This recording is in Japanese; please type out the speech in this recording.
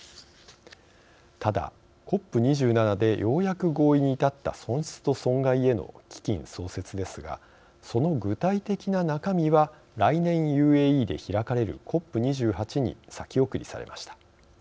ただ、ＣＯＰ２７でようやく合意に至った損失と損害への基金創設ですがその具体的な中身は来年、ＵＡＥで開かれるＣＯＰ２８に先送りされました。